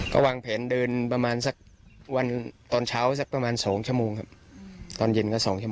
ก็วางแผนเดินประมาณสักวันตอนเช้าสักประมาณ๒ชั่วโมงครับตอนเย็นก็๒ชั